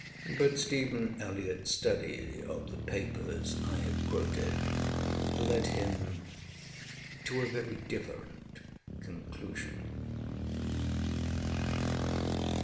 But Stephen ElliottŌĆÖs study of the papers I have quoted led him to a very different conclusion.